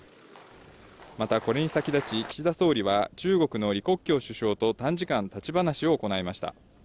またこれに先立ち、岸田総理は中国の李克強首相と短時間、立ち話を行いました。